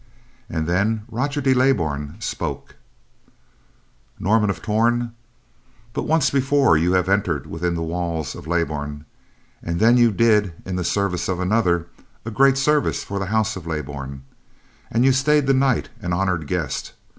And then Roger de Leybourn spoke: "Norman of Torn, but once before have you entered within the walls of Leybourn, and then you did, in the service of another, a great service for the house of Leybourn; and you stayed the night, an honored guest.